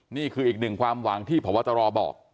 นี่คืออีก๑ความหวังที่ผอวตรอบอก